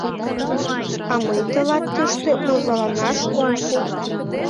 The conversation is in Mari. — А мый тылат тыште озаланаш ом пу!